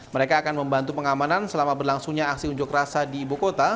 mereka akan membantu pengamanan selama berlangsungnya aksi unjuk rasa di ibu kota